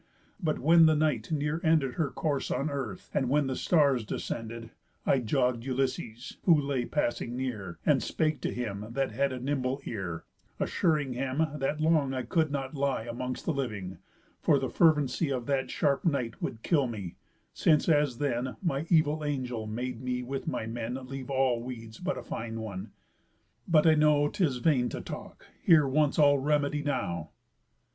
But when the night near ended Her course on earth, and that the stars descended, I jogg'd Ulysses, who lay passing near, And spake to him, that had a nimble ear, Assuring him, that long I could not lie Amongst the living, for the fervency Of that sharp night would kill me, since as then My evil angel made me with my men Leave all weeds but a fine one. But I know 'Tis vain to talk; here wants all remedy now.